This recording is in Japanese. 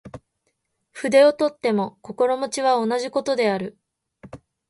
筆を執とっても心持は同じ事である。